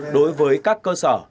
đối với các cơ sở